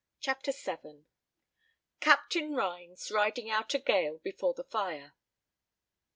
CHAPTER VII. CAPTAIN RHINES RIDING OUT A GALE BEFORE THE FIRE.